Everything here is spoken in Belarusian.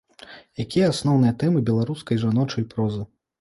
Якія асноўныя тэмы беларускай жаночай прозы?